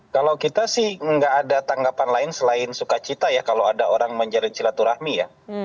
kalau kita sih nggak ada tanggapan lain selain sukacita ya kalau ada orang menjalin silaturahmi ya